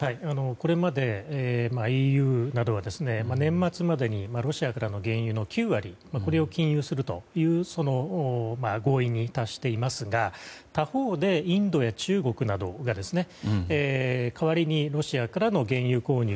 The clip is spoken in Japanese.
これまでＥＵなどは年末までにロシアからの原油の９割これを禁輸するという合意に達していますが他方で、インドや中国などが代わりにロシアからの原油購入